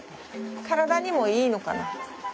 体にもいいのかな？